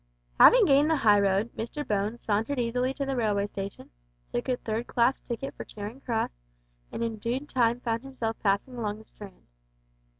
Having gained the high road, Mr Bones sauntered easily to the railway station, took a third class ticket for Charing Cross, and in due time found himself passing along the Strand.